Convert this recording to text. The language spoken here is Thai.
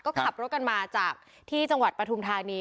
ก็ขับรถกันมาจากที่จังหวัดปฐุมธานี